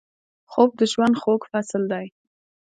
خوب د ژوند خوږ فصل دی